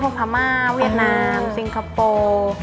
พวกภามาวิทนาซิงคาโปร์